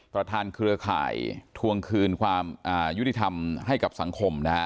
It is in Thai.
เครือข่ายทวงคืนความยุติธรรมให้กับสังคมนะฮะ